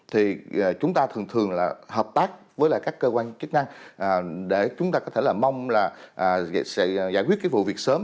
thì chúng ta thường thường là hợp tác với các cơ quan chức năng để chúng ta có thể là mong là sẽ giải quyết cái vụ việc sớm